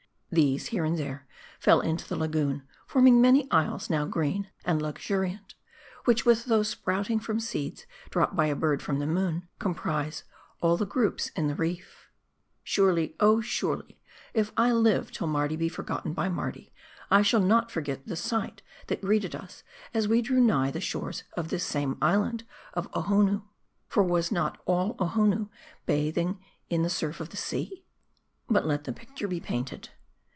These here' and there fell into the lagoon, forming many isles, now green and luxuriant ; which, with those sprouting from seeds dropped by a bird from the moon, comprise all the groups hi the reef." Surely, oh, surely, if I live till Mardi be forgotten by Mardi, I shall not forget the sight that greeted Us, as we drew nigh the shores of this same island of Ohonoo ; for was not all Ohonoo bathing in the surf of the sea ? But let the picture be painted.